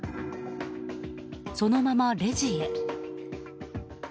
そのままレジへ。